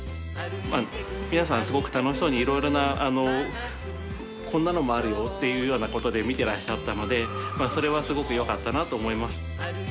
皆さんすごく楽しそうに色々なこんなのもあるよっていうようなことで見てらっしゃったのでそれはすごくよかったなと思いました。